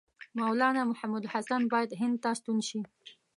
مولنا محمودالحسن باید هند ته ستون شي.